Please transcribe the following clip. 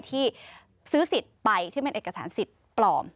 ที่ซื้อสิทธิ์ไปที่เป็นเอกสารสิทธิ์ปลอม